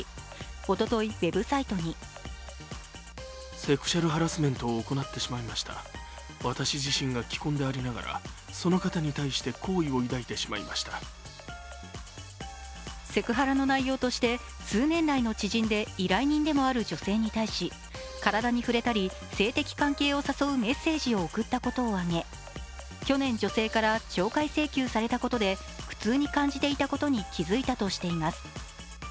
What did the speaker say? おととい、ウェブサイトにセクハラの内容として、数年来の知人で依頼人でもある女性に対し体に触れたり、性的関係を誘うメッセージを送ったことを挙げ去年、女性から懲戒請求されたことで苦痛に感じていたことに気づいたとしています。